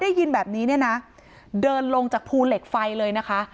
ได้ยินแบบนี้เนี่ยนะเดินลงจากภูเหล็กไฟเลยนะคะ